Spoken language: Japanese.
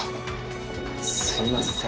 すいません。